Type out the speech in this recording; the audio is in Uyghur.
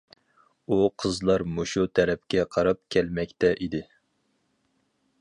ئۇ قىزلار مۇشۇ تەرەپكە قاراپ كەلمەكتە ئىدى.